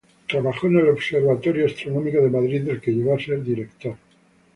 Trabajó en el Observatorio Astronómico de Madrid, del que llegó a ser director.